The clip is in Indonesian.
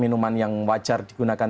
minuman yang wajar digunakan